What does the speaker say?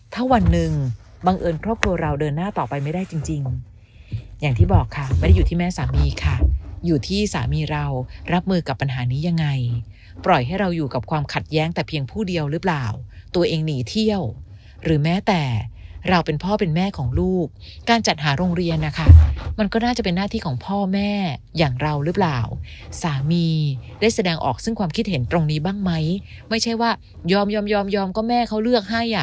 ถ้าวันหนึ่งบังเอิญครอบครัวเราเดินหน้าต่อไปไม่ได้จริงอย่างที่บอกค่ะไม่ได้อยู่ที่แม่สามีค่ะอยู่ที่สามีเรารับมือกับปัญหานี้ยังไงปล่อยให้เราอยู่กับความขัดแย้งแต่เพียงผู้เดียวรึเปล่าตัวเองหนีเที่ยวหรือแม้แต่เราเป็นพ่อเป็นแม่ของลูกการจัดหาโรงเรียนนะคะมันก็น่าจะเป็นหน้าที่ของพ่อแม่อย่างเรารึ